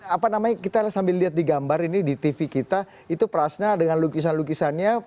apa namanya kita sambil lihat di gambar ini di tv kita itu prasna dengan lukisan lukisannya